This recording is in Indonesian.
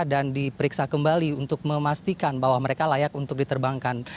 dan diperiksa kembali untuk memastikan bahwa mereka layak untuk diterbangkan